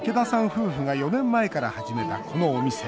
夫婦が４年前から始めた、このお店。